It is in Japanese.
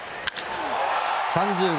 ３０号。